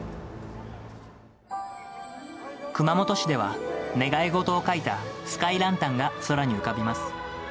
熊本市では、願い事を書いたスカイランタンが空に浮かびます。